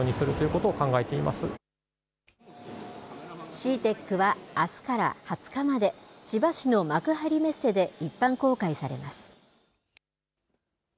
ＣＥＡＴＥＣはあすから２０日まで、千葉市の幕張メッセで一般公開されます。